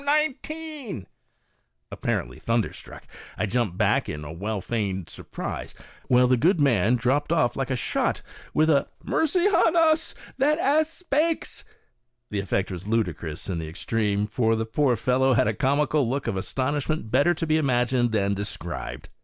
I'm nine teen 1" Apparently thunderstruck, I jumped back in well feigned surprise, while the good man dropped off like a shot, with a AND YOCAL ILLUSIONS. 49 "Mercy onus! that ass spakes!" The effect was ludicrous in the extreme, for the poor fellow had a comical look of astonish ment better to be imagined than described.